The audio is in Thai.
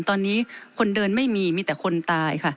ตอนนี้คนเดินไม่มีมีแต่คนตายค่ะ